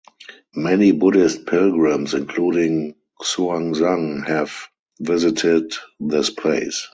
Many Buddhist pilgrims including Xuanzang have visited this place.